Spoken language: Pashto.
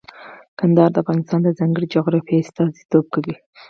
کندهار د افغانستان د ځانګړي جغرافیه استازیتوب کوي.